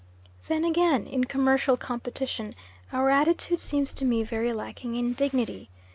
Then again in commercial competition our attitude seems to me very lacking in dignity.